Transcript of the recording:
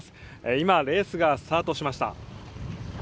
今、レースがスタートしました。